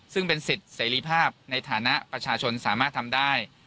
ซึ่งเป็นสิทธิ์เสรีภาพในฐานะประชาชนสามารถทำได้